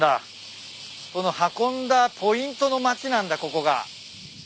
その運んだポイントの町なんだここが。